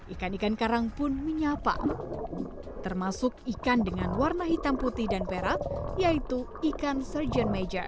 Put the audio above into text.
ikan ikan karang pun menyapa termasuk ikan dengan warna hitam putih dan perak yaitu ikan surgeon major